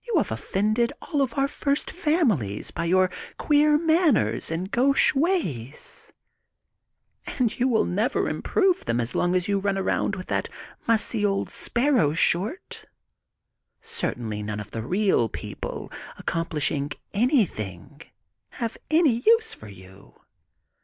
You have offended all our first families by your queer manners and gauche ways. And you will never improve them as long as you run around with that mussy old Sparrow Short. Certainly none of the real people, accomplishing anything, have any use for you.